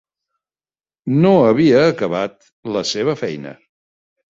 No havia acabat la seva feina.